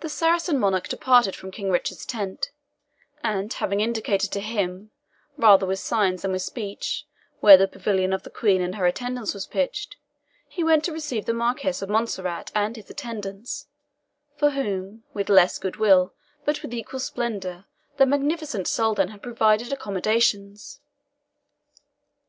The Saracen Monarch departed from King Richard's tent, and having indicated to him, rather with signs than with speech, where the pavilion of the Queen and her attendants was pitched, he went to receive the Marquis of Montserrat and his attendants, for whom, with less goodwill, but with equal splendour, the magnificent Soldan had provided accommodations.